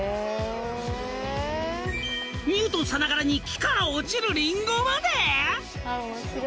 ［ニュートンさながらに木から落ちるリンゴまで！？］